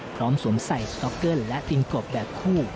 สวมใส่สต๊อกเกิ้ลและตีนกบแบบคู่